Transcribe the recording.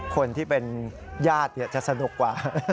คนที่เป็นญาติจะสนุกกว่า